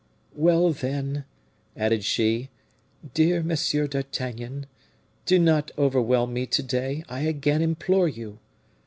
"Well, then," added she, "dear Monsieur d'Artagnan, do not overwhelm me to day, I again implore you!